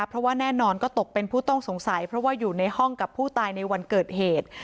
เพราะว่าแน่นอนก็ตกเป็นผู้ต้องสงสัยเพราะว่าอยู่ในห้องกับผู้ตายในวันเกิดเหตุ